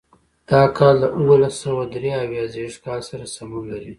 دا کال د اوولس سوه درې اویا زېږدیز کال سره سمون لري.